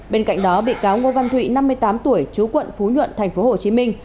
bên cạnh đó bị cáo ngô văn thụy năm mươi tám tuổi chú quận phú nhuận thành phố hồ chí minh